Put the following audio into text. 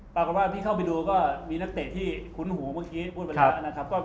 ปรากฏว่าที่เข้าไปดูก็มีนักเตะที่คุ้นหูเมื่อกี้พูดไปแล้วนะครับ